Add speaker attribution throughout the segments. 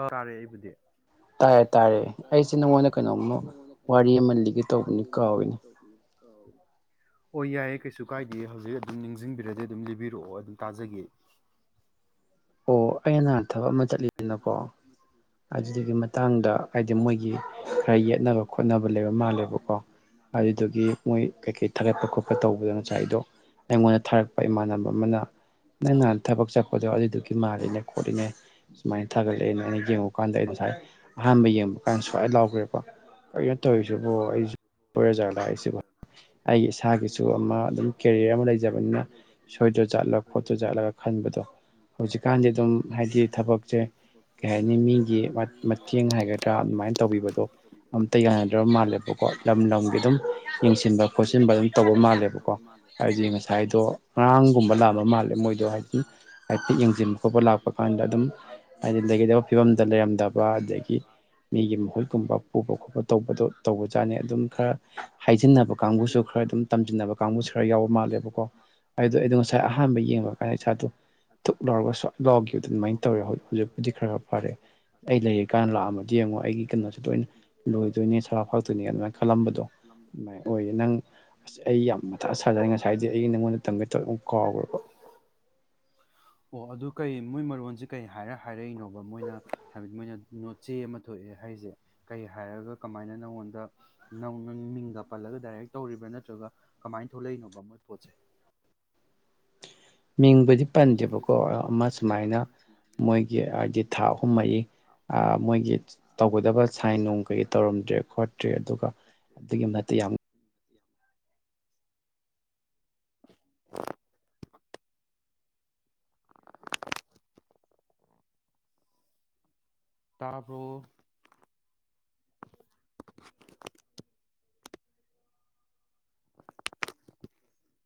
Speaker 1: ꯑ ꯇꯥꯔꯦ ꯑꯩꯕꯨꯗꯤ꯫
Speaker 2: ꯇꯥꯔꯦ ꯇꯥꯔꯦ ꯑꯩꯁꯦ ꯅꯪꯉꯣꯟꯗ ꯀꯩꯅꯣꯝꯃ ꯋꯥꯔꯤ ꯑꯃ ꯂꯤꯒꯦ ꯇꯧꯕꯅꯤ ꯀꯥꯎꯏꯅꯦ꯫
Speaker 1: ꯀꯥꯎꯋꯤ ꯍꯣ ꯌꯥꯏꯌꯦ ꯀꯩꯁꯨ ꯀꯥꯏꯗꯦ ꯍꯧꯖꯤꯛ ꯑꯗꯨꯝ ꯅꯤꯡꯁꯤꯡꯕꯤꯔꯗꯤ ꯑꯗꯨꯝ ꯂꯤꯕꯤꯔꯛꯑꯣ ꯑꯗꯨꯝ ꯇꯥꯖꯒꯦ꯫
Speaker 2: ꯑꯣ ꯑꯩꯅ ꯅꯍꯥꯟ ꯊꯕꯛ ꯑꯃ ꯆꯠꯂꯤꯗꯅꯀꯣ ꯑꯗꯨꯗꯨꯒꯤ ꯃꯇꯥꯡꯗ ꯍꯥꯏꯗꯤ ꯃꯣꯏꯒꯤ ꯈꯔ ꯌꯦꯠꯅꯕ ꯈꯣꯠꯅꯕ ꯂꯩꯕ ꯃꯥꯜꯂꯦꯕꯀꯣ ꯑꯗꯨꯗꯒꯤ ꯃꯣꯏ ꯀꯩꯀꯩ ꯊꯥꯒꯠꯄ ꯈꯣꯠꯄ ꯇꯧꯕꯗꯣ ꯉꯁꯥꯏꯗꯣ ꯑꯩꯉꯣꯟꯗ ꯊꯥꯔꯛꯄ ꯏꯃꯥꯟꯅꯕ ꯑꯃꯅ꯫ ꯅꯪ ꯅꯍꯥꯟ ꯊꯕꯛ ꯆꯠꯄꯗꯣ ꯑꯗꯨꯗꯨꯒꯤ ꯃꯥꯜꯂꯤꯅꯦ ꯈꯣꯠꯂꯤꯅꯦ ꯁꯨꯃꯥꯏꯅ ꯊꯥꯒꯠꯂꯛꯑꯦꯅ ꯑꯩꯅ ꯌꯦꯡꯉꯨ ꯀꯥꯟꯗ ꯑꯩ ꯉꯁꯥꯏ ꯑꯍꯥꯟꯕ ꯌꯦꯡꯕ ꯀꯥꯟ ꯁ꯭ꯋꯥꯥꯏ ꯂꯥꯎꯈ꯭ꯔꯦꯕꯀꯣ ꯀꯩꯅꯣ ꯇꯧꯔꯤꯁꯤꯕꯣ ꯑꯩꯁꯨ [inaudible] ꯁꯣꯏꯔꯖꯥꯠꯂꯥ ꯑꯩꯁꯤꯕꯣ꯫ ꯑꯩꯒꯤ ꯏꯁꯥꯒꯤꯁꯨ ꯑꯃ ꯑꯗꯨꯝ ꯀꯦꯔꯤꯌꯔ ꯑꯃ ꯂꯩꯖꯕꯅꯤꯅ ꯁꯣꯏꯗ꯭ꯔ ꯆꯥꯠꯂꯒ ꯈꯣꯠꯇ꯭ꯔꯖꯠꯂꯒ ꯈꯟꯕꯗꯣ꯫ ꯍꯧꯖꯤꯛꯀꯥꯟꯗꯤ ꯑꯗꯨꯝ ꯍꯥꯏꯗꯤ ꯊꯕꯛꯁꯦ ꯀꯩ ꯍꯥꯏꯅꯤ ꯃꯤꯒꯤ ꯃ-ꯃꯇꯦꯡ ꯍꯥꯏꯒꯗ꯭ꯔꯥ ꯑꯗꯨꯃꯥꯏꯅ ꯇꯧꯕꯤꯕꯗꯣ ꯑꯝꯇ ꯌꯥꯅꯗ꯭ꯔꯕ ꯃꯥꯜꯂꯦꯕꯀꯣ ꯂꯝ ꯂꯝꯒꯤ ꯑꯗꯨꯝ ꯌꯦꯡꯁꯤꯟꯕ ꯈꯣꯠꯆꯤꯟꯕ ꯑꯗꯨꯝ ꯇꯧꯕ ꯃꯥꯜꯂꯦꯕꯀꯣ ꯍꯥꯏꯗꯤ ꯉꯁꯥꯏꯗꯣ ꯉꯔꯥꯡꯒꯨꯝꯕ ꯂꯥꯛꯑꯝꯕ ꯃꯥꯜꯂꯦ ꯃꯣꯏꯗꯣ ꯍꯥꯏꯗꯤ ꯍꯥꯏꯐꯦꯠ ꯌꯦꯡꯁꯤꯟꯕ ꯈꯣꯠꯄ ꯂꯥꯛꯄ ꯀꯥꯟꯗ ꯑꯗꯨꯝ ꯍꯥꯏꯗꯤ ꯂꯩꯒꯗꯕ ꯐꯤꯕꯝꯗ ꯂꯩꯔꯝꯗꯕ ꯑꯗꯒꯤ ꯃꯤꯒꯤ ꯃꯍꯨꯠ ꯒꯨꯝꯕ ꯄꯨꯕ ꯈꯣꯠꯄ ꯇꯧꯕꯗꯣ ꯇꯧꯕꯖꯥꯠꯅꯦ ꯑꯗꯨꯝ ꯈꯔ ꯍꯥꯏꯖꯤꯟꯅꯕ ꯀꯥꯡꯕꯨꯁꯨ ꯈꯔ ꯑꯗꯨꯝ
Speaker 1: ꯁꯨ ꯈꯔꯗꯤꯗꯨꯝ ꯊꯝꯖꯤꯟꯅꯕ ꯀꯥꯡꯒꯨꯁꯨ ꯈꯔ ꯌꯥꯎꯕ ꯃꯥꯜꯂꯦꯕ ꯫
Speaker 2: ꯑꯩꯗꯣ ꯑꯩꯗꯣ ꯉꯁꯥꯏ ꯑꯍꯥꯟꯕ ꯌꯦꯡꯕ ꯀꯥꯟꯗ ꯏꯁꯥꯗꯣ ꯊꯨꯛ ꯂꯧꯔꯒ ꯁ꯭ꯋꯥꯏ ꯂꯥꯎꯒꯤꯕꯗꯨ ꯑꯗꯨꯃꯥꯏꯅ ꯇꯧꯔꯦ ꯍꯧ ꯍꯧꯖꯤꯛꯄꯨꯗꯤ ꯈꯔ ꯐꯔꯦ ꯑꯩ ꯂꯩꯔꯤꯀꯟ ꯂꯥꯛꯑꯝꯃꯥ ꯗꯤ ꯌꯦꯡꯉꯣ ꯑꯩꯒꯤ ꯀꯩꯅꯣꯁꯦ ꯂꯣꯏꯅ ꯂꯣꯏꯗꯣꯏꯅꯤ ꯁꯕꯥꯛ ꯐꯛ ꯇꯣꯏꯅꯦ ꯑꯗꯨꯃꯥꯏꯅ ꯈꯜꯂꯝꯕꯗꯣ ꯑꯗꯨꯃꯥꯏꯅ ꯑꯣꯏꯌꯦ ꯅꯪ ꯑꯁ ꯑꯩ ꯌꯥꯝ ꯃꯊꯥ ꯁꯥꯖꯠꯅꯤ ꯉꯁꯥꯏꯗꯤ ꯑꯩ ꯅꯉꯣꯟꯗ ꯇꯝꯒꯦ ꯇꯧꯔꯥ ꯑꯃꯨꯛ ꯀꯥꯎꯈꯒ꯭ꯔꯦꯕꯥ
Speaker 1: ꯑꯣ ꯑꯣ ꯑꯗꯨ ꯀꯩ ꯃꯣꯏ ꯃꯔꯣꯟꯖꯦ ꯀꯩ ꯍꯥꯏꯅ ꯍꯥꯏꯔꯛ ꯏꯅꯣꯕ ꯃꯣꯏꯅ ꯍꯥꯏꯕꯗꯤ ꯃꯣꯏꯅ ꯅꯣꯠꯆꯦ ꯑꯃ ꯄꯨ ꯊꯣꯛꯑꯦ ꯍꯥꯏꯖꯦ ꯀꯩ ꯍꯥꯏꯔꯒ ꯀꯃꯥꯏꯅ ꯅꯪꯉꯣꯟꯗ ꯅꯣꯡ ꯅꯪ ꯃꯤꯡꯒ ꯄꯜꯂꯒ ꯗꯥꯏꯔꯦꯛ ꯇꯧꯔꯤꯕ꯭ꯔꯥ ꯅꯠꯇ꯭ꯔꯒ ꯀꯃꯥꯏ ꯊꯣꯛꯂꯛ ꯏꯅꯣꯕ ꯃꯣꯏ ꯄꯣꯠꯁꯦ
Speaker 2: ꯃꯤꯡꯕꯨꯗꯤ ꯄꯟꯗꯦꯕꯀꯣ ꯑꯃ ꯁꯨꯃꯥꯏꯅ ꯃꯣꯏꯒꯤ ꯍꯥꯏꯗꯤ ꯊꯥ ꯑꯍꯨꯝ ꯃꯔꯤ ꯑꯥ ꯃꯣꯏꯒꯤ ꯇꯧꯒꯗꯕ ꯁꯥꯏꯟ ꯅꯨꯡ ꯀꯩ ꯇꯧꯔꯝꯗ꯭ꯔꯦ ꯈꯣꯠꯇ꯭ꯔꯦ ꯑꯗꯨꯒ ꯑꯗꯨꯒꯤ ꯃꯠꯇ ꯌꯥꯝ
Speaker 1: [inaudible] [unintelligible] ꯇꯥꯕ꯭ꯔꯣ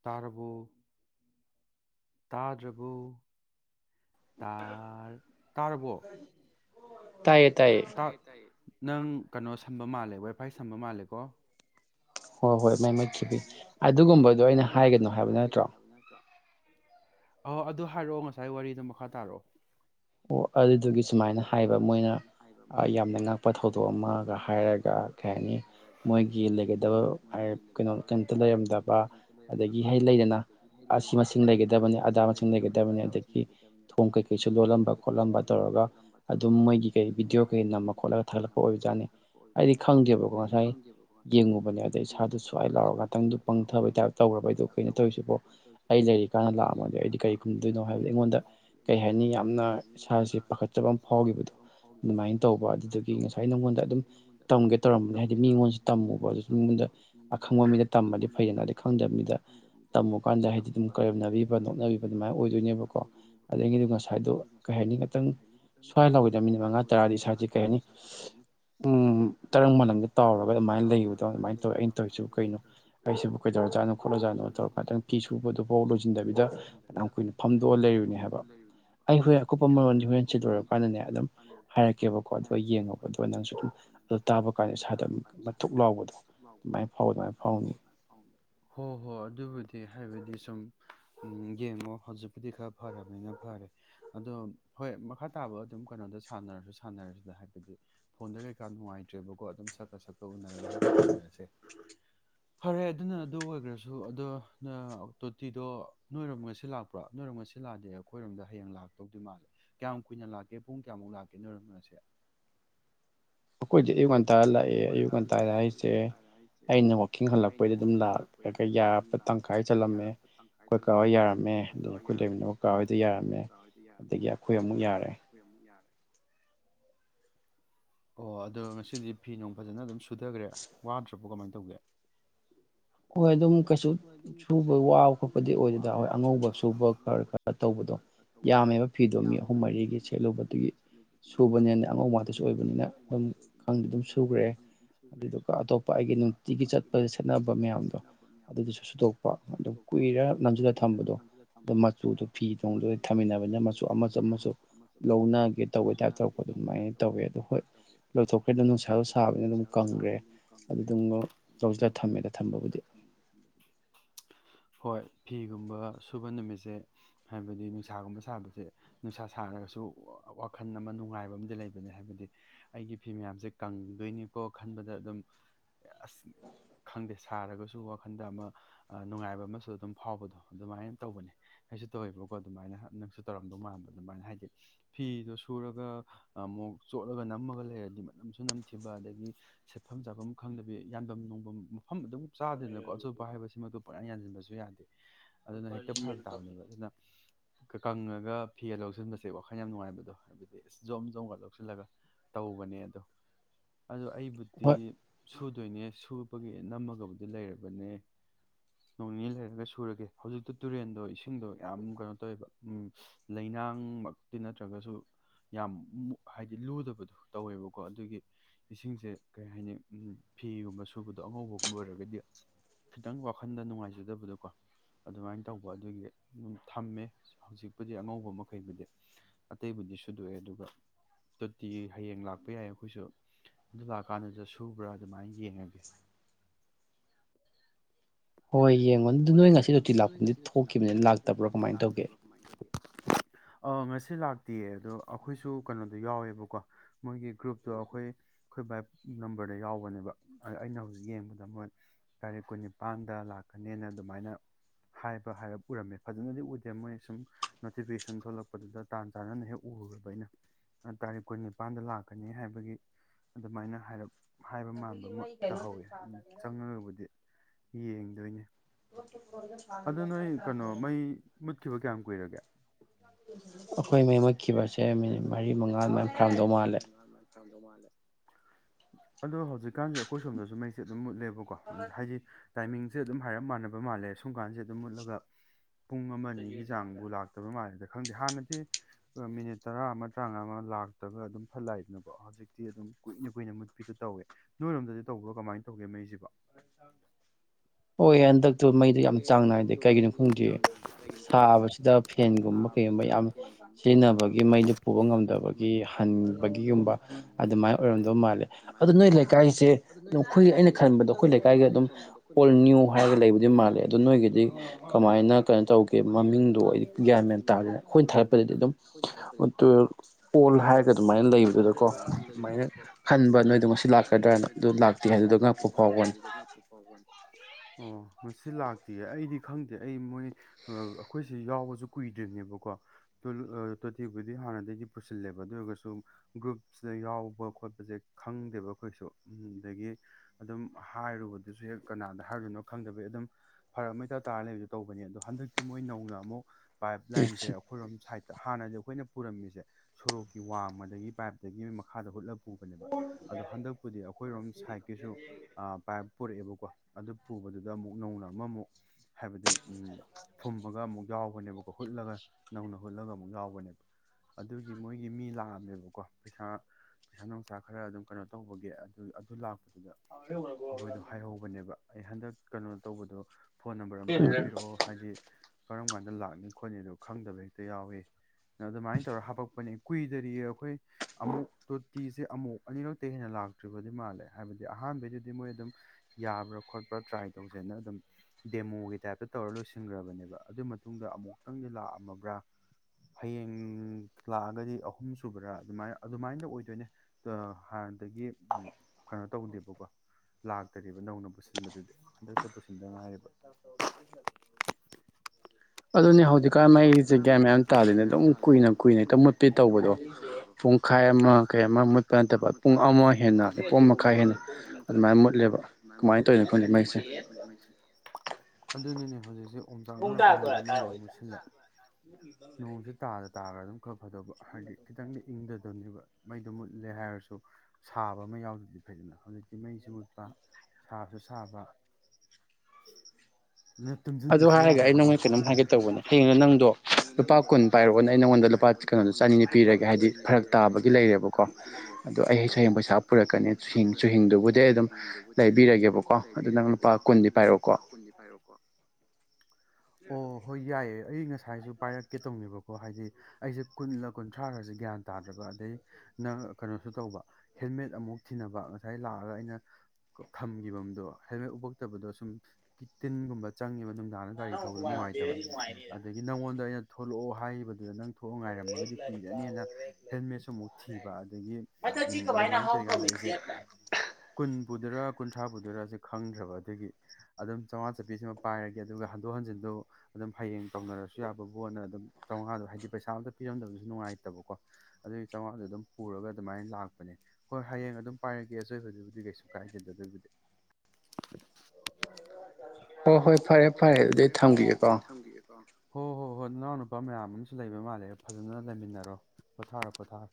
Speaker 1: ꯇꯔꯕꯣ ꯇꯥꯗ꯭ꯔꯕꯣ ꯇꯥꯔ ꯇꯔꯥꯕꯣ
Speaker 2: ꯇꯥꯏꯌꯦ ꯇꯥꯏꯌꯦ
Speaker 1: ꯇꯏꯌꯦ ꯇꯥꯌꯦ ꯅꯪ ꯀꯩꯅꯣ ꯁꯝꯕ ꯃꯥꯜꯂꯦ ꯋꯥꯏꯐꯥꯏ ꯁꯝꯕ ꯃꯥꯜꯂꯦꯀꯣ
Speaker 2: ꯍꯣꯏ ꯍꯣꯏ ꯃꯦꯛ ꯃꯠꯊ꯭ꯔꯤꯕꯤ ꯑꯗꯨꯒꯨꯝꯕꯗꯣ ꯑꯩꯅ ꯍꯥꯏꯒꯅꯨ ꯍꯥꯏꯕ ꯅꯠꯇ꯭ꯔꯣ
Speaker 1: ꯑ ꯑꯗꯨ ꯍꯥꯏꯔꯛꯑꯣ ꯉꯁꯥꯏ ꯋꯥꯔꯤꯗꯣ ꯃꯈꯥ ꯇꯥꯔꯛꯑꯣ
Speaker 2: ꯑꯣ ꯑꯗꯨꯗꯨꯒꯤ ꯁꯨꯃꯥꯏꯅ ꯍꯥꯏꯕ ꯃꯣꯏꯅ ꯌꯥꯝꯅ ꯉꯛꯄ ꯊꯧꯗꯣꯛ ꯑꯃꯒ ꯍꯥꯏꯔꯒ ꯀꯩ ꯍꯥꯏꯅꯤ ꯃꯣꯏꯒꯤ ꯂꯩꯒꯗꯕ ꯍꯥꯏꯔꯥ ꯀꯩꯅꯣ ꯀꯔꯤꯝꯇ ꯂꯩꯔꯝꯗꯕ ꯑꯗꯒꯤ ꯍꯩ ꯂꯩꯗꯅ ꯑꯁꯤ ꯃꯁꯤꯡ ꯂꯩꯒꯗꯕꯅꯤ ꯑꯗꯥ ꯃꯁꯤꯡ ꯂꯩꯒꯗꯕꯅꯤ ꯑꯗꯒꯤ ꯄꯣꯡ ꯀꯩ ꯀꯩꯁꯨ ꯂꯣ ꯈꯣꯠ
Speaker 1: ꯄꯤꯁꯁꯨ ꯂꯣꯟꯂꯝꯕ
Speaker 2: ꯑꯗꯨꯝ ꯃꯣꯏꯒꯤ ꯀꯩ ꯚꯤꯗꯤꯑꯣ ꯀꯩ ꯅꯝꯃ ꯈꯣꯠꯂꯒ ꯊꯥꯒꯠꯂꯛꯄ ꯑꯣꯏꯕꯖꯥꯠꯅꯤ ꯑꯩꯗꯤ ꯈꯪꯗꯦꯕꯀꯣ ꯉꯁꯥꯏ ꯌꯦꯡꯉꯨꯕꯅꯦ ꯑꯗꯩ ꯏꯁꯥꯗꯣ ꯁꯨꯋꯥꯏ ꯂꯥꯎꯔꯒ ꯉꯥꯛꯇꯪꯗꯨ ꯄꯪꯊꯕꯩ ꯇꯥꯏꯞ ꯇꯧꯔꯕꯥ ꯑꯩꯗꯣ ꯀꯩꯅꯣ ꯇꯧꯔꯤꯁꯤꯕꯣ ꯑꯩ ꯂꯩꯔꯤ ꯀꯥꯟꯅ ꯂꯥꯛꯑꯝꯃꯗꯤ ꯑꯩꯗꯤ ꯀꯔꯤ ꯈꯨꯝꯗꯣꯏꯅꯣ ꯍꯥꯏꯕꯗꯤ ꯑꯩꯉꯣꯟꯗ ꯀꯔꯤ ꯍꯥꯏꯅꯤ ꯌꯥꯝꯅ ꯏꯁꯥꯁꯦ ꯄꯥꯈꯠꯄ ꯆꯕ ꯑꯃ ꯐꯥꯎꯒꯤꯕꯗꯣ ꯑꯗꯨꯃꯥꯏꯅ ꯇꯧꯕ ꯑꯗꯨꯗꯒꯤ ꯉꯁꯥꯏ ꯅꯪꯉꯣꯟꯗ ꯑꯗꯨꯝ ꯇꯝꯒꯦ ꯇꯧꯔꯝꯕꯅꯦ ꯍꯥꯏꯗꯤ ꯃꯤꯉꯣꯟꯖꯤꯗ ꯇꯝꯃꯨꯕ ꯑꯗꯨꯖꯨ ꯃꯤꯉꯣꯟꯗ ꯑꯈꯪꯕ ꯃꯤꯅ ꯇꯝꯃꯗꯤ ꯐꯩꯗꯗꯅ ꯈꯪꯗꯕ ꯃꯤꯗ
Speaker 1: ꯈꯪꯗꯕꯤꯗ ꯇꯝꯃꯨ ꯀꯥꯟꯗ ꯍꯦꯛꯇꯥ ꯑꯗꯨꯝ ꯀꯔꯦꯝꯅꯕꯤꯕ ꯅꯣꯠꯅꯕꯤꯕ ꯑꯗꯨꯃꯥꯏ ꯑꯣꯏꯗꯣꯏꯅꯦꯕ
Speaker 2: ꯑꯗꯒꯤꯗꯤ ꯉꯁꯥꯏꯗꯣ ꯀꯩ ꯍꯥꯏꯅꯤ ꯁ꯭ꯋꯥꯏ ꯂꯧꯎꯋꯤꯗ ꯃꯤꯅꯤꯠ ꯃꯉꯥ ꯇꯔꯥꯗꯤ ꯏꯁꯥꯖꯦ ꯀꯩ ꯍꯥꯏꯅꯤ ꯎꯝ ꯇꯔꯪ ꯃꯂꯪꯗ ꯇꯥꯎꯔꯒ ꯑꯝꯃꯥꯏꯅ ꯂꯩꯕꯗꯣ ꯑꯗꯨꯃꯥꯏꯅ ꯇꯧꯋꯦ ꯑꯩꯅ ꯇꯧꯔꯤꯖꯤꯕꯨ ꯀꯩꯅꯣ ꯑꯩꯁꯤꯕꯨ ꯀꯩꯔꯖꯥꯠꯅꯣ ꯈꯣꯠꯂꯖꯠꯅꯣ ꯇꯧꯔꯀꯥꯟꯗ ꯐꯤ ꯁꯨꯕꯗꯨꯐꯥꯎ ꯂꯣꯏꯁꯤꯟꯗꯕꯤꯗ ꯐꯥꯅꯝ ꯀꯨꯏꯅ ꯐꯝꯗꯣꯛ ꯑ ꯂꯩꯔꯨꯏꯅꯦ ꯍꯥꯏꯕ ꯑꯩ ꯍꯨꯔꯦꯟ ꯑꯀꯨꯞꯄ ꯃꯔꯣꯟꯗꯤ ꯍꯨ ꯍꯣꯔꯦꯜ ꯁꯤꯠ ꯂꯣꯏꯔꯀꯥꯟꯗꯅꯦ ꯑꯗꯨꯝ ꯍꯥꯏꯔꯛꯀꯦꯕꯀꯣ ꯑꯗꯨꯒ ꯌꯦꯡꯉꯣꯕ ꯑꯗꯨꯒ ꯅꯪꯁꯨ ꯑꯗꯨꯝ ꯇꯥꯕ ꯀꯥꯟꯗ ꯏꯁꯥꯗ ꯑꯃ ꯊꯨꯛ ꯂꯥꯎꯕꯗꯣ ꯑꯗꯨꯃꯥꯏꯅ ꯐꯥꯎꯕ ꯑꯗꯨꯃꯥꯏꯅ ꯐꯥꯎꯅꯤꯕ
Speaker 1: ꯍꯣ ꯍꯣ ꯑꯗꯨꯕꯨꯗꯤ ꯍꯥꯏꯕꯗꯤ ꯁꯨꯝ ꯎꯝ ꯌꯦꯡꯉꯣ ꯍꯧꯖꯤꯛꯄꯨꯗꯤ ꯈꯔ ꯐꯔꯕꯅꯤꯅ ꯐꯔꯦ ꯑꯗꯣ ꯍꯣꯏ ꯃꯈꯥ ꯇꯥꯕ ꯑꯗꯨꯝ ꯀꯩꯅꯣꯗ ꯁꯥꯟꯅꯔ ꯁꯥꯟꯅꯔꯁꯤꯗ ꯍꯥꯏꯕꯗꯤ ꯐꯣꯟꯗ ꯀꯩꯀꯥ ꯅꯨꯡꯉꯥꯏꯇ꯭ꯔꯦꯕꯀꯣ ꯑꯗꯨꯝ ꯁꯛꯀ ꯁꯛꯀ ꯎꯅꯔꯒ ꯍꯦꯛ ꯁꯥꯟꯅꯔꯁꯦ ꯐꯔꯦ ꯑꯗꯨꯅ ꯑꯗꯨ ꯑꯣꯏꯈ꯭ꯔꯁꯨ ꯑꯗꯣ ꯅꯣꯏ ꯇꯣꯇꯤꯗꯣ ꯅꯣꯏꯔꯣꯝ ꯉꯥꯁꯤ ꯂꯥꯛꯄ ꯄ꯭ꯔꯣ ꯅꯣꯏꯔꯣꯝ ꯉꯁꯤ ꯂꯛ ꯑꯗꯤ ꯑꯩꯈꯣꯏꯔꯣꯝꯗ ꯍꯥꯌꯦꯡ ꯂꯥꯛꯇꯧꯗꯤ ꯃꯥꯜꯂꯦ ꯀꯌꯥꯝ ꯀꯨꯏꯅ ꯂꯥꯛꯀꯦ ꯄꯨꯡ ꯀꯌꯥꯃꯨꯛ ꯂꯥꯛꯀꯦ ꯅꯣꯏꯔꯣꯝ ꯉꯁꯤ
Speaker 2: ꯑꯈꯣꯏꯗꯤ ꯑꯌꯨꯛ ꯉꯟꯇꯥ ꯂꯥꯛꯑꯦ ꯑꯌꯨꯛ ꯉꯟꯇꯥꯗ ꯍꯥꯏꯁꯦ ꯑꯩꯅ ꯋꯥꯛꯀꯤꯡ ꯍꯜꯂꯛꯄꯩꯗ ꯑꯗꯨꯝ ꯂꯥꯛ ꯀꯩꯀꯩ ꯌꯥꯕꯗꯨ ꯇꯪꯈꯥꯏ ꯆꯠꯂꯝꯃꯦ ꯑꯩꯈꯣꯏ ꯀꯥꯍ‌ꯣꯏ ꯌꯥꯔꯝꯃꯦ ꯑꯗꯩ ꯑꯩꯈꯣꯏ ꯂꯩꯃꯤꯟꯅ ꯀꯥ ꯍꯣꯏꯗꯨ ꯌꯥꯔꯝꯃꯦ ꯑꯗꯒꯤ ꯑꯩꯈꯣꯏ ꯑꯃꯨꯛ ꯌꯥꯔꯦ
Speaker 1: ꯑꯩꯈꯣꯏ ꯑꯃꯨꯛ ꯌꯥꯔꯦ ꯑꯣ ꯑꯗꯣ ꯉꯁꯤꯗꯤ ꯐꯤ ꯅꯨꯡ ꯐꯖꯅ ꯑꯗꯨꯝ ꯁꯨꯗꯒ꯭ꯔꯦ ꯋꯥꯗ꯭ꯔꯕꯣ ꯀꯃꯥꯏ ꯇꯧꯒꯦ
Speaker 2: ꯍꯣꯏ ꯑꯗꯨꯝ ꯀꯩꯁꯨ ꯁꯨꯕ ꯋꯥꯕ ꯈꯣꯠꯄꯗꯤ ꯑꯣꯏꯗ‌ꯦꯗ ꯍꯣꯏ ꯑꯉꯧꯕ ꯁꯨꯕ ꯈꯔ ꯈꯔ ꯇꯧꯕꯗꯣ ꯌꯥꯝꯃꯦꯕ ꯐꯤꯗꯣ ꯃꯤ ꯑꯍꯨꯝ ꯃꯔꯤꯒꯤ ꯁꯦꯠꯂꯨꯕꯗꯨꯒꯤ ꯁꯨꯕꯅ‌ꯦꯅ ꯑꯉꯧꯕ ꯉꯥꯇꯁꯨ ꯑꯣꯏꯕꯅꯤꯅ ꯑꯗꯨꯝ ꯈꯪꯗ‌ꯦ ꯑꯗꯨꯝ ꯁꯨꯒ꯭ꯔꯦ ꯑꯗꯨꯗꯨꯒ ꯑꯇꯣꯞꯄ ꯑꯩꯒꯤ ꯅꯨꯡꯇꯤꯒꯤ ꯆꯠꯄꯗ ꯁꯦꯠꯅꯕ ꯃꯌꯥꯝꯗꯣ ꯑꯗꯨꯗꯨꯁꯨ ꯁꯨꯗ‌ꯣꯛ ꯀ‌ꯣ ꯑꯗꯨꯝ ꯀꯨꯏꯔ ꯅꯝꯁꯤꯜꯂ ꯊꯝꯕꯗꯣ ꯑꯗꯨ ꯃꯆꯨꯗꯣ ꯐꯤ ꯊꯣꯡꯗꯣꯏ ꯊꯝꯃꯤꯟꯅꯕꯅꯤꯅ ꯃꯆꯨ ꯑꯃꯁꯨ ꯑꯃꯁꯨ ꯂꯧꯅꯒꯦ ꯇꯧꯋ‌ꯦ ꯇꯥꯏꯞ ꯇꯧꯔꯛꯄ ꯑꯗꯨꯃꯥꯏꯅ ꯇꯧꯋꯦ ꯑꯗ‌ꯣ ꯍꯣꯏ ꯂ‌ꯣꯏꯊꯣꯛꯈ꯭ꯔꯦꯗꯅ ꯁꯜꯁ ꯁꯥꯥꯕꯅꯤꯅ ꯑꯗꯨꯝ ꯀꯪꯒ꯭ꯔꯦ ꯑꯗꯨꯗꯨꯝꯉ‌ꯣ ꯂꯧꯖꯤꯜꯂ ꯊꯝꯃꯦ ꯑꯗ ꯊꯝ
Speaker 1: [unintelligible] ꯍꯣꯏ ꯐꯤꯒꯨꯝꯕ ꯁꯨꯕ ꯅꯨꯃꯤꯠꯁꯦ ꯍꯥꯏꯕꯗꯤ ꯅꯨꯡꯁꯥꯒꯨꯝꯕ ꯁꯥꯕꯖ‌ꯦ ꯅꯨꯡꯁꯥ ꯁꯥꯔꯁꯨ ꯋꯥꯈꯟ ꯑꯃ ꯅꯨꯡꯉꯥꯏꯕ ꯑꯃꯗꯤ ꯂꯩꯕꯅꯦ ꯍꯥꯏꯕꯗꯤ ꯑꯩꯒꯤ ꯐꯤ ꯃꯌꯥꯝꯁꯦ ꯀꯪꯗꯣꯏꯅꯤꯀꯣ ꯈꯟꯕꯗ ꯑꯗꯨꯝ ꯑꯁ ꯈꯪꯗꯦ ꯁꯥꯔꯒꯁꯨ ꯋꯥꯛ ꯋꯥꯈꯟꯗ ꯑꯃ ꯑ ꯅꯨꯡꯉꯥꯏꯕ ꯑꯃꯁꯨ ꯑꯗꯨꯝ ꯐꯥꯎꯕꯗꯣ ꯑꯗꯨꯃꯥꯏꯅ ꯇꯧꯕꯅꯦ ꯑꯩꯁꯨ ꯇꯧꯋꯦꯕ‌ꯣꯀꯣ ꯑꯗꯨꯃꯥꯏꯅ ꯅꯪꯁꯨ ꯇꯧꯔꯝꯗꯧ ꯃꯥꯟꯕ ꯑꯗꯨꯃꯥꯏꯅ ꯍꯥꯏꯗꯤ ꯐꯤꯗꯣ ꯁꯨꯔꯒ ꯑꯃꯨꯛ ꯆꯣꯠꯂꯒ ꯅꯝꯃꯒ ꯂꯩꯔꯗꯤ ꯃꯅꯝꯁꯨ ꯅꯝꯊꯤꯕ ꯑꯗꯒꯤ ꯁꯦꯠꯐꯝ ꯆꯥꯕꯝ ꯈꯪꯗꯕꯤ ꯌꯥꯟꯕꯝ ꯅꯣꯡꯕꯝ ꯃꯐꯝ ꯑꯗꯨꯝ ꯆꯥꯗ‌ꯦꯗꯅ ꯀꯣ ꯑꯆꯣꯠꯄ ꯍꯥꯏꯕꯁꯤꯃꯛꯇ‌ꯣ ꯄꯨꯔꯥ ꯌꯥꯟꯖꯤꯟꯕꯁꯨ ꯌꯥꯗꯦ ꯑꯗꯨꯅ ꯍꯦꯛꯇ ꯐꯔꯛ ꯇꯥꯕꯅꯦꯕ ꯑꯗꯨꯅ ꯀꯪꯉꯒ ꯐꯤꯒ ꯂꯧꯁꯤꯟꯕꯁꯦ ꯋꯥꯈꯟ ꯌꯥꯝ ꯅꯨꯡꯉꯥꯏꯕꯗꯣ ꯍꯥꯏꯕꯗꯤ ꯏꯁ ꯖꯣꯝ ꯖꯣꯝꯒ ꯂꯧꯁꯤꯜꯂꯒ ꯇꯧꯕꯅꯦ ꯑꯗꯣ ꯑꯗ‌ꯣ ꯑꯩꯕꯨꯗꯤ ꯁꯨꯗꯣꯏꯅꯦ ꯁꯨꯕꯒꯤ ꯅꯝꯃꯒꯕꯨꯗꯤ ꯂꯩꯔꯕꯅꯦ ꯅꯣꯡ ꯅꯤꯅꯤ ꯂꯩꯔꯒ ꯁꯨꯔꯒꯦ ꯍꯧꯖꯤꯛꯇ‌ꯣ ꯇꯨꯔꯦꯟꯗꯣ ꯏꯁꯤꯡꯗꯣ ꯌꯥꯝ ꯀꯩꯅꯣ ꯇꯧꯋꯦꯕ ꯎꯝ ꯂꯩꯅꯥꯡꯃꯛꯇꯤ ꯅꯠꯇ꯭ꯔꯒꯁꯨ ꯌꯥꯝ ꯍꯥꯏꯗꯤ ꯂꯨꯗꯕꯗꯨ ꯇꯧꯋꯦꯕꯀꯣ ꯑꯗꯨꯒꯤ ꯏꯁꯤꯡꯁꯦ ꯀꯩ ꯍꯥꯏꯅꯤ ꯎꯝ ꯐꯤꯒꯨꯝꯕ ꯁꯨꯕꯗꯣ ꯑꯉꯧꯕꯒꯨꯝꯕ ꯑꯣꯏꯔꯒꯗꯤ ꯈꯤꯇꯪ ꯋꯥꯈꯟꯗ ꯅꯨꯡꯉꯥꯏꯖꯗꯕꯗ‌ꯣꯀꯣ ꯑꯗꯨꯃꯥꯏ ꯇꯧꯕ ꯑꯗꯨꯒꯤ ꯊꯝꯃꯦ ꯍꯧꯖꯤꯛꯄꯨꯗꯤ ꯑꯉꯧꯕ ꯃꯈꯩꯕꯨꯗꯤ ꯑꯇꯩꯕꯨꯗꯤ ꯁꯨꯗꯣꯛꯑꯦ ꯑꯗꯨꯒ ꯇꯣꯇꯤ ꯍꯌꯦꯡ ꯂꯥꯛꯄ ꯌꯥꯏ ꯑꯩꯈꯣꯏꯁꯨ ꯑꯗꯨ ꯂꯥꯛꯑꯀꯥꯟꯗꯖꯨ ꯁꯨꯕ꯭ꯔꯥ ꯑꯗꯨꯃꯥꯏ ꯌꯦꯡꯉꯒꯦ
Speaker 2: ꯍꯣꯏ ꯌꯦꯡꯉꯣ ꯑꯗꯨ ꯅꯣꯏ ꯉꯁꯤ ꯔꯨꯇꯤ ꯂꯥꯛꯄꯗꯤ ꯊꯣꯛꯈꯤꯕꯅ‌ꯦ ꯂꯥꯛꯇꯕ꯭ꯔꯥ ꯀꯃꯥꯏ ꯇꯧꯒꯦ
Speaker 1: ꯑꯥ ꯉꯁꯤ ꯂꯥꯛꯇꯤꯌꯦ ꯑꯗꯣ ꯑꯩꯈꯣꯏꯁꯨ ꯀꯩꯅꯣꯗꯣ ꯌꯥꯎꯋꯦꯕꯀꯣ ꯃꯣꯏꯒꯤ ꯒ꯭ꯔꯨꯞꯇꯣ ꯑꯈꯣꯏ ꯑꯩꯈꯣꯏ ꯕꯥꯏꯞ ꯅꯝꯕ꯭ꯔꯗ ꯌꯥꯎꯕꯅꯦꯕ ꯑꯩ ꯑꯩꯅ ꯍꯧꯖꯤꯛ ꯌꯦꯡꯕꯗ ꯃꯣꯏ ꯇꯥꯔꯤꯛ ꯀꯨꯟꯅꯤꯄꯥꯥꯟꯗ ꯂꯥꯛꯀꯅꯦꯅ ꯑꯗꯨꯃꯥꯏꯅ ꯍꯥꯏꯕ ꯍꯥꯏꯔꯞ ꯎꯔꯝꯃꯦ ꯐꯖꯅꯗꯤ ꯎꯗꯦ ꯃꯣꯏ ꯁꯨꯝ ꯅꯣꯇꯤꯐꯤꯀꯦꯁꯟ ꯊꯣꯛꯂꯛꯄꯗꯨꯗ ꯇꯥꯟ ꯆꯥꯟꯅꯅ ꯍꯦꯛ ꯎꯔꯨꯔꯕ ꯑꯩꯅ ꯑ‌ ꯇꯥꯔꯤꯛ ꯀꯨꯟꯅꯤꯄꯥꯥꯟꯗ ꯂꯥꯛꯀꯅꯤ ꯍꯥꯏꯕꯒꯤ ꯑꯗꯨꯃꯥꯏꯅ ꯍꯥꯏꯔꯞ ꯍꯥꯏꯕ ꯃꯥꯟꯕ ꯑꯃ ꯇꯍꯧꯋ‌ꯦ ꯑꯗꯨꯝ ꯆꯪꯉꯒꯕꯨꯗꯤ ꯌꯦꯡꯗꯣꯏꯅꯤ
Speaker 2: [unintelligible]
Speaker 1: ꯑꯗ‌ꯣ ꯅꯣꯏ ꯀꯩꯅꯣ ꯃꯩ ꯃꯨꯠꯈꯤꯕ ꯀꯌꯥꯝ ꯀꯨꯏꯔꯒꯦ
Speaker 2: ꯑꯩꯈꯣꯏ ꯃꯩ ꯃꯨꯠꯈꯤꯕꯁꯦ ꯃꯤꯅꯤꯠ ꯃꯔꯤ ꯃꯉꯥ ꯑꯗꯨꯃꯥꯏ ꯐꯥꯔꯝꯗꯧ ꯃꯥꯜꯂꯦ
Speaker 1: [unintelligible] ꯑꯗꯣ ꯍꯧꯖꯤꯛꯀꯥꯟꯁꯦ ꯑꯩꯈꯣꯏ ꯁꯣꯝꯗꯁꯨ ꯃꯩꯁꯦ ꯑꯗꯨꯝ ꯃꯨꯠꯂꯦꯕ ꯕꯀꯣ ꯍꯥꯏꯗꯤ ꯇꯥꯏꯃꯤꯡꯁꯦ ꯑꯗꯨꯝ ꯍꯥꯏꯔꯞ ꯃꯥꯟꯅꯕ ꯃꯥꯜꯂꯦ ꯁꯨꯝ ꯀꯥꯟꯁꯦ ꯑꯗꯨꯝ ꯃꯠꯂꯒ ꯄꯨꯡ ꯑꯃ ꯑꯅꯤꯒꯤ ꯆꯥꯡꯕꯨ ꯂꯥꯛꯇꯕ ꯃꯥꯜꯂꯦꯗ ꯈꯪꯗꯦ ꯍꯥꯟꯅꯗꯤ ꯃꯤꯅꯤꯠ ꯇꯔꯥ ꯑꯃ ꯇꯔꯥꯉꯥ ꯑꯃ ꯂꯥꯛꯇ꯭ꯔꯒ ꯑꯗꯨꯝ ꯐꯠꯂꯏꯗꯅꯀꯣ ꯍꯧꯖꯤꯛꯇꯤ ꯑꯗꯨꯝ ꯀꯨꯏꯅ ꯀꯨꯏꯅ ꯃꯨꯠꯄꯤꯗꯨ ꯇꯧꯋꯦ ꯅꯣꯏꯔꯣꯝꯗꯗꯤ ꯇꯧꯕ꯭ꯔꯣ ꯀꯃꯥꯏ ꯇꯧꯒꯦ ꯃꯩꯁꯤꯕꯣ
Speaker 2: ꯍꯣꯏ ꯍꯟꯗꯛ ꯇꯨ ꯃꯩꯗꯣ ꯌꯥꯝ ꯆꯥꯡ ꯅꯥꯏꯗꯦ ꯀꯩꯒꯤꯅꯣ ꯈꯪꯗꯦ ꯁꯥꯕꯁꯤꯗ ꯐꯦꯟꯒꯨꯝꯕ ꯀꯩꯒꯨꯝꯕ ꯌꯥꯝ ꯁꯤꯖꯤꯟꯅꯕꯒꯤ ꯃꯩꯗꯨ ꯄꯨꯕ ꯉꯝꯗꯕꯒꯤ ꯍꯟꯕꯒꯤꯒꯨꯝꯕ ꯑꯗꯨꯃꯥꯏꯅ ꯑꯣꯏꯔꯝꯗꯧ ꯃꯥꯜꯂꯦ ꯑꯗꯨ ꯅꯣꯏ ꯂꯩꯀꯥꯏꯁꯦ ꯑꯗꯨ ꯑꯩꯈꯣꯏꯒꯤ ꯑꯩꯅ ꯈꯟꯕꯗꯣ ꯑꯩꯈꯣꯏ ꯂꯩꯀꯥꯏꯒꯤ ꯑꯗꯨꯝ ꯑꯣꯜ ꯅ꯭ꯌꯨ ꯍꯥꯏ ꯑꯗꯨ ꯃꯥꯜꯂꯦ ꯑꯗꯨ ꯅꯣꯏꯒꯤꯗꯤ ꯀꯃꯥꯏꯅ ꯀꯩꯅꯣ ꯇꯧꯒꯦ ꯃꯃꯤꯡꯗꯣ ꯑꯩꯗꯤ ꯒ꯭ꯌꯥꯟ ꯃꯌꯥꯝ ꯇꯥꯗꯅ ꯑꯩꯈꯣꯏꯅ ꯊꯥꯒꯠꯄꯗꯗꯤ ꯑꯗꯨꯝ ꯇꯨꯋ ꯑꯣꯜ ꯍꯥꯏꯔꯒ ꯑꯗꯨꯃꯥꯏꯅ ꯂꯩꯕꯗꯨꯗꯀꯣ ꯑꯗꯨꯃꯥꯏꯅ ꯈꯟꯕ ꯅꯣꯏꯗꯣ ꯉꯁꯤ ꯂꯥꯛꯀꯗ꯭ꯔꯥꯅ ꯑꯗꯨ ꯂꯥꯛꯇꯦ ꯍꯥꯏꯗꯨꯗꯣ ꯉꯛꯄ ꯐꯥꯎꯕꯅꯤ
Speaker 1: ꯑꯣ ꯉꯥꯁꯤ ꯂꯥꯛꯇꯦꯌꯦ ꯑꯩꯗꯤ ꯈꯪꯗꯦ ꯑꯩ ꯃꯣꯏ ꯑꯩꯈꯣꯏꯁꯤ ꯌꯥꯎꯕꯁꯨ ꯀꯨꯏꯗ꯭ꯔꯤꯅꯦꯕꯀꯣ ꯇꯨꯜ ꯑꯥ ꯇꯣꯊꯤꯕꯨꯗꯤ ꯍꯥꯟꯅꯗꯒꯤꯗꯤ ꯄꯨꯁꯤꯜꯂꯦꯕ ꯑꯗꯨ ꯑꯣꯏꯔꯒꯁꯨ ꯒ꯭ꯔꯨꯞꯁꯤꯗ ꯌꯥꯎꯕ ꯈꯣꯠꯄꯁꯦ ꯈꯪꯗꯦꯕ ꯑꯩꯈꯣꯏꯁꯨ ꯎꯝ ꯑꯗꯒꯤ ꯑꯗꯨꯝ ꯍꯥꯏꯔꯨꯕꯗꯨꯁꯨ ꯍꯦꯛ ꯀꯅꯥꯗ ꯍꯥꯏꯔꯗꯣꯏꯅꯣ ꯈꯪꯗꯕ ꯑꯗꯨꯝ ꯐꯔ ꯑꯃ ꯏꯇꯥ ꯇꯔ ꯂꯩꯕ ꯇꯧꯕꯅꯤ ꯑꯗꯣ ꯍꯟꯗꯛꯇꯤ ꯃꯣꯏ ꯅꯧꯅ ꯑꯃꯨꯛ ꯄꯥꯏꯞ ꯂꯥꯏꯟꯁꯦ ꯑꯩꯈꯣꯏꯔꯣꯝ ꯁꯥꯏꯗꯠꯇ ꯍꯥꯟꯅꯗꯤ ꯑꯩꯈꯣꯏꯅ ꯄꯨꯔꯝꯃꯤꯁꯦ ꯁꯣꯔꯣꯛꯀꯤ ꯋꯥꯡꯃꯗꯒꯤ ꯄꯥꯏꯞꯇꯒꯤ ꯃꯈꯥꯗ ꯍꯨꯠꯂꯞ ꯄꯨꯕꯅꯦꯕ ꯑꯗꯣ ꯍꯟꯗꯛꯄꯨꯗꯤ ꯑꯩꯈꯣꯏꯔꯣꯝ ꯁꯥꯏꯠꯀꯤꯁꯨ ꯑꯥ ꯄꯥꯏꯞ ꯄꯨꯔꯛꯑꯦꯕꯀꯣ ꯑꯗꯨ ꯄꯨꯕꯗꯨꯗ ꯑꯃꯨꯛ ꯅꯧꯅ ꯑꯃꯃꯨꯛ ꯍꯥꯏꯕꯗꯤ ꯎꯝ ꯐꯨꯝꯃꯒ ꯑꯃꯨꯛ ꯌꯥꯎꯕꯅꯦꯕꯀꯣ ꯍꯨꯠꯂꯒ ꯅꯧꯅ ꯍꯨꯠꯂꯒ ꯑꯃꯨꯛ ꯌꯥꯎꯕꯅꯦꯕ ꯑꯗꯨꯒꯤ ꯃꯣꯏꯒꯤ ꯃꯤ ꯂꯥꯛꯑꯝꯃꯦꯕꯀꯣ ꯄꯩꯁꯥ ꯄꯩꯁꯥ ꯅꯨꯡꯁꯥ ꯈꯔ ꯑꯗꯨꯝ ꯀꯩꯅꯣ ꯇꯧꯕꯒꯤ ꯑꯗꯨ ꯑꯗꯨ ꯂꯥꯛꯄꯗꯨꯗ ꯑꯩꯈꯣꯏꯗꯣ ꯍꯥꯏꯍꯧꯕꯅꯦꯕ ꯑꯩ ꯍꯟꯗꯛ ꯀꯩꯅꯣ ꯇꯧꯕꯗꯣ ꯐꯣꯟ ꯅꯝꯕꯔ ꯑꯝꯇ ꯍꯥꯞꯄꯤꯔꯛꯑꯣ ꯍꯥꯏꯗꯤ ꯀꯔꯝ ꯀꯥꯟꯗ ꯂꯥꯛꯅꯤ ꯈꯣꯠꯅꯤꯗ ꯈꯪꯗꯕ ꯍꯦꯛꯇ ꯌꯥꯎꯏꯤ ꯑꯗꯨꯃꯥꯏꯅ ꯇꯧꯔꯒ ꯍꯥꯄꯛꯄꯅꯦ ꯀꯨꯏꯗꯔꯤ ꯑꯩꯈꯣꯏ ꯑꯃꯨꯛ ꯇꯣꯇꯤꯁꯦ ꯑꯃꯨꯛ ꯑꯅꯤꯔꯛꯇ ꯍꯦꯟꯅ ꯂꯥꯛꯇ꯭ꯔꯤꯕꯗꯤ ꯃꯥꯜꯂꯦ ꯍꯥꯏꯕꯗꯤ ꯑꯍꯥꯟꯕꯩꯗꯨꯗꯤ ꯃꯣꯏ ꯑꯗꯨꯝ ꯌꯥꯕ꯭ꯔꯥ ꯈꯣꯠꯄ꯭ꯔꯥ ꯇ꯭ꯔꯥꯏ ꯇꯧꯁꯦꯅ ꯑꯗꯨꯝ ꯗꯦꯃꯣꯒꯤ ꯇꯥꯏꯞꯇ ꯇꯧꯔ ꯂꯣꯏꯁꯤꯟꯒ꯭ꯔꯕꯅꯦꯕ ꯑꯗꯨꯒꯤ ꯃꯇꯨꯡꯗ ꯑꯃꯨꯛꯇꯪꯗꯤ ꯂꯥꯛꯑꯝꯃꯕ꯭ꯔꯥ ꯍꯌꯦꯡ ꯂꯥꯛꯑꯒꯗꯤ ꯑꯍꯨꯝ ꯁꯨꯕ꯭ꯔꯥ ꯑꯗꯨꯃꯥꯏꯅ ꯑꯗꯨꯃꯥꯏꯅ ꯑꯣꯏꯗꯣꯏꯅꯦ ꯍꯥꯟꯅꯗꯒꯤ ꯀꯩꯅꯣ ꯇꯧꯗꯦꯕꯀꯣ ꯂꯥꯛꯇꯔꯤꯕ ꯅꯧꯅ ꯄꯨꯁꯤꯟꯕꯗꯨꯗꯤ ꯍꯟꯗꯛꯇ ꯄꯨꯁꯤꯟꯗ ꯉꯥꯏꯌꯦꯕ
Speaker 2: ꯑꯗꯨꯅꯦ ꯍꯧ [unintelligible] ꯀꯟ ꯃꯩꯒꯤ ꯖꯒꯌꯥ ꯃꯌꯥꯝ ꯇꯥꯗꯦꯅ ꯑꯗꯨꯝ ꯀꯨꯏꯅ ꯀꯨꯏꯅ ꯍꯦꯛꯇ ꯃꯨꯠꯄꯦ ꯇꯧꯕꯗꯣ ꯄꯨꯡ ꯈꯥꯏ ꯑꯃ ꯀꯩ ꯑꯃ ꯃꯨꯠꯄ ꯅꯠꯇꯕ ꯄꯨꯡ ꯑꯃ ꯍꯦꯟꯅꯩ ꯄꯨꯡ ꯃꯈꯥꯏ ꯍꯦꯟꯅ ꯑꯗꯨꯃꯥꯏꯅ ꯃꯨꯠꯂꯦꯕ
Speaker 1: ꯑꯗꯨꯃꯥꯏꯅ ꯃꯨꯠꯂꯦꯕ ꯁꯨꯃꯥꯏꯅ ꯇꯧꯅ ꯐꯨꯜꯂꯤ ꯃꯩꯁꯦ ꯑꯗꯨꯅꯤꯅꯦ ꯍꯧꯖꯤꯛꯁꯤ ꯑꯣꯝꯇꯛꯅꯔ ꯀꯥꯟꯁꯤꯗ ꯃꯩ ꯑꯃꯣꯛ ꯃꯨꯠꯁꯤꯜꯂꯦ ꯅꯣꯡꯁꯦ ꯇꯥꯗ ꯇꯥꯔꯒ ꯑꯗꯨꯝ ꯈꯔ ꯐꯗꯕ ꯍꯥꯏꯗꯤ ꯈꯤꯇꯪꯗꯤ ꯏꯪꯗꯗꯧꯅꯦꯕ ꯃꯩꯗꯣ ꯃꯨꯠꯂꯦ ꯍꯥꯏꯔꯁꯨ ꯁꯥꯕ ꯑꯃ ꯌꯥꯎꯗꯗꯤ ꯐꯩꯗꯅ ꯍꯧꯖꯤꯛꯇꯤ ꯃꯩꯁꯤ ꯃꯨꯠꯄ ꯁꯥꯁꯨ ꯁꯥꯕ
Speaker 2: ꯑꯗꯨ ꯍꯥꯏꯔꯒ ꯑꯩ ꯅꯪꯉꯣꯟꯗ ꯀꯩꯅꯣꯝ ꯍꯥꯏꯒꯦ ꯇꯧꯕꯅꯦ ꯍꯌꯦꯡ ꯅꯪꯗꯣ ꯂꯨꯄꯥ ꯀꯨꯟ ꯄꯥꯏꯔꯛꯑꯣꯅ ꯑꯩ ꯅꯉꯣꯟꯗ ꯂꯨꯄꯥ ꯀꯩꯅꯣꯗꯣ ꯆꯅꯤꯅꯤ ꯄꯤꯔꯒꯦ ꯍꯥꯏꯗꯤ ꯐꯔꯛ ꯇꯥꯕꯒꯤ ꯂꯩꯔꯦꯕꯀꯣ ꯑꯗꯣ ꯑꯩ ꯍꯌꯦꯡ ꯄꯩꯁꯥ
Speaker 1: ꯑꯩ ꯍꯌꯦꯡ ꯄꯩꯁꯥ ꯄꯨꯔꯛꯀꯅꯤ ꯆꯨꯍꯤꯡ ꯆꯨꯍꯤꯡꯗꯨꯕꯨꯗꯤ ꯑꯗꯨꯝ ꯂꯩꯕꯤꯔꯒꯦꯕꯀꯣ ꯑꯗꯨꯅ ꯂꯨꯄꯥ ꯀꯨꯟꯗꯤ ꯄꯥꯏꯔꯣꯀꯣ ꯑꯣ ꯍꯣꯏ ꯌꯥꯏꯌꯦ ꯑꯩ ꯉꯁꯥꯏꯖꯨ ꯄꯥꯏꯔꯛꯀꯦ ꯇꯧꯅꯦꯕꯀꯣ ꯍꯥꯏꯗꯤ ꯑꯩꯖꯦ ꯀꯨꯜꯂꯥ ꯀꯨꯟꯊ꯭ꯔꯥꯔꯖꯦ ꯒ꯭ꯌꯥꯟ ꯇꯥꯗ꯭ꯔꯕ ꯑꯗꯩ ꯅꯪ ꯀꯩꯅꯣꯁꯨ ꯇꯧꯕ ꯍꯦꯜꯃꯦꯠ ꯑꯃꯨꯛ ꯊꯤꯅꯕ ꯉꯁꯥꯏ ꯂꯥꯛꯑꯒ ꯑꯩꯅ ꯊꯝꯒꯤꯕꯝꯗꯣ ꯍꯦꯜꯃꯦꯠ ꯎꯞꯄꯛꯇꯕꯗꯣ ꯁꯨꯝ ꯇꯤꯟꯒꯨꯝꯕ ꯆꯪꯏꯕ ꯅꯨꯡꯗꯥꯡꯗ ꯒꯥꯔꯤ ꯊꯧꯕꯗ ꯅꯨꯡꯉꯥꯏꯇꯕ ꯑꯗ ꯒꯤ ꯅꯪꯉꯣꯟꯗ ꯑꯩꯅ ꯊꯣꯂꯣꯑꯣ ꯍꯥꯏꯔꯤꯕꯗꯨꯗ ꯅꯪ ꯊꯣꯛꯑ ꯉꯥꯏꯔꯝꯃꯒꯗꯤ ꯀꯨꯏꯔꯅꯦꯅ ꯍꯦꯜꯃꯦꯠꯁꯨ ꯃꯨꯛ ꯊꯤꯕ ꯑꯗꯒꯤ ꯎꯝ ꯑꯗꯨꯃꯥꯏꯟ ꯇꯧꯏꯀꯥꯟꯗ ꯑꯩꯖꯦ ꯀꯨꯟꯕꯨꯗꯔꯥ ꯀꯨꯟꯊ꯭ꯔꯥ ꯄꯨꯗꯔꯥꯖꯦ ꯈꯪꯗ꯭ꯔꯕ ꯑꯗꯨꯒꯤ ꯑꯗꯨꯝ ꯆꯧꯉꯥ ꯆꯥꯄꯤꯁꯤꯃ ꯄꯥꯏꯔꯒꯦ ꯑꯗꯨꯒ ꯍꯟꯗꯣꯛ ꯍꯟꯖꯤꯟꯗꯨ ꯑꯗꯨꯝ ꯍꯌꯦꯡ ꯇꯧꯅꯔꯁꯨ ꯌꯥꯕꯕꯣꯅ ꯑꯗꯨꯝ ꯆꯧꯉꯥꯗꯣ ꯍꯥꯏꯗꯤ ꯄꯩꯁꯥ ꯑꯝꯇ ꯄꯤꯔꯝꯗꯕꯖꯨ ꯅꯨꯡꯉꯥꯏꯇꯕꯀꯣ ꯑꯗꯨꯒꯤ ꯆꯧꯉꯥꯗꯨ ꯗꯨꯝ ꯄꯨꯔꯒ ꯑꯗꯨꯃꯥꯏꯟ ꯂꯥꯛꯄꯅꯦ ꯍꯣꯏ ꯍꯌꯦꯡ ꯑꯗꯨꯝ ꯄꯥꯏꯔꯛꯒꯦ ꯑꯆꯣꯏꯕꯗꯨꯕꯨꯗꯤ ꯀꯩꯁꯨ ꯀꯥꯏꯗꯦꯗ ꯗꯨꯕꯨꯗꯤ
Speaker 2: ꯍꯣ-ꯍꯣꯏ ꯐꯔꯦ ꯐꯔꯦ ꯑꯗꯨꯏꯠ ꯑꯩ ꯊꯝꯒꯤꯒꯦꯀꯣ
Speaker 1: ꯑꯝꯒꯤꯒꯦꯀꯣ ꯍꯣ-ꯍꯣ-ꯍꯣꯏ ꯅꯥꯎꯅꯨꯄꯥ ꯃꯌꯥꯝ ꯑꯝꯖꯨ ꯂꯩꯕ ꯃꯥꯜꯂꯦ ꯐꯖꯅ ꯂꯩꯃꯤꯟꯅꯔꯣ ꯄꯣꯊꯥꯔꯣ ꯄꯣꯊꯥꯔꯣ